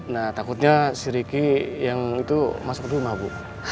nah takutnya si riki yang itu masuk ke rumah bu